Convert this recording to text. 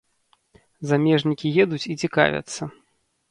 Замежнікі едуць і цікавяцца.